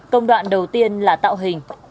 công đoạn đầu tiên là tạo hình